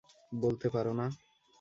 বলতে পার না?